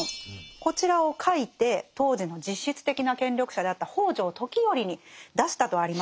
こちらを書いて当時の実質的な権力者であった北条時頼に出したとありましたよね。